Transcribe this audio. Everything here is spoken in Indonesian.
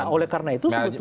oleh karena itu sebetulnya